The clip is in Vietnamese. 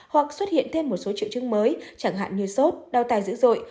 hoặc xuất hiện thêm một số triệu chứng mới chẳng hạn như sốt đau tài dữ dội